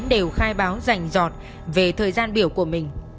đều khai báo rành giọt về thời gian biểu của mình